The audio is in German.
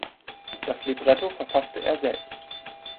Das Libretto verfasste er selbst.